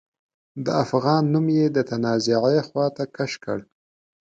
د افغان نوم يې د تنازعې خواته کش کړ.